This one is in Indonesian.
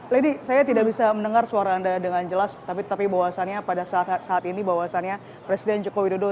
lady saya tidak bisa mendengar suara anda dengan jelas tapi bahwasannya pada saat ini bahwasannya presiden joko widodo